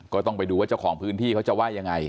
ก็ต้องไปดูว่าเจ้าของพื้นที่เขาจะว่ายังไง